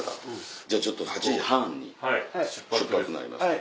じゃあちょっと８時半に出発になりますから。